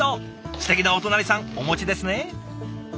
すてきなお隣さんお持ちですね。